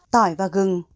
tỏi và gừng